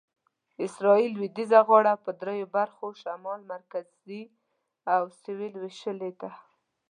اسرایل لویدیځه غاړه په دریو برخو شمال، مرکزي او سویل وېشلې ده.